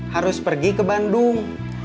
harus pergi ke bandung